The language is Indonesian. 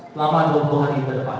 selama dua puluh hari ke depan